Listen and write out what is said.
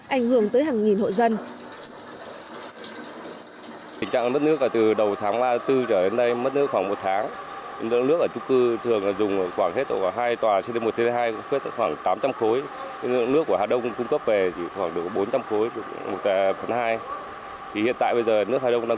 ảnh hưởng tới hàng nghìn hộ dân